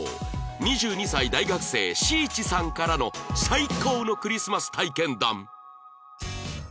２２歳大学生しーちさんからの最高のクリスマス体験談ねえナナ？